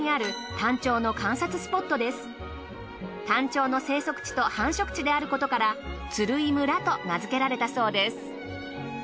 タンチョウの生息地と繁殖地であることから鶴居村と名づけられたそうです。